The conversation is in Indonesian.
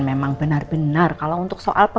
kamu terus keyakin quarter